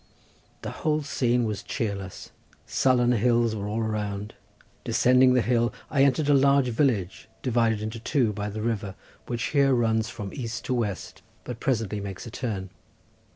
The whole scene was cheerless. Sullen hills were all around. Descending the hill I entered a large village divided into two by the river, which here runs from east to west, but presently makes a turn.